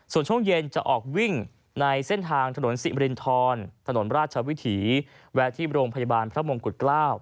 ส่วนช่วงเย็นจะออกวิ่งในเส้นทางถนนสิมรินทรถนนราชวิถีแวะที่โรงพยาบาลพระมงกุฎเกล้า